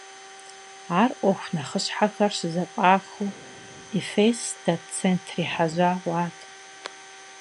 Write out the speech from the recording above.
Ар Ӏуэху нэхъыщхьэхэр щызэфӀахыу Эфес дэт центр ехьэжьа хъуат.